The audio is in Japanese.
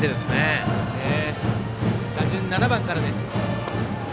打順７番からです。